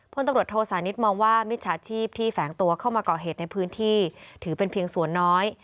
พลตำรวจโทษานิทมองว่ามิจฉาชีพที่แฝงตัวเข้ามาก่อเหตุในพื้นที่ถือเป็นเพียงส่วนน้อย